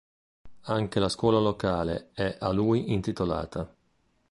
Anche la scuola locale è a lui intitolata.